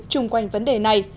trung quanh vấn đề này